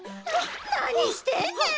なにしてんねん！